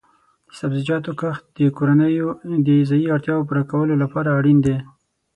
د سبزیجاتو کښت د کورنیو د غذایي اړتیاو پوره کولو لپاره اړین دی.